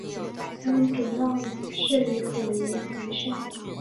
他们主要是以捕鱼维生。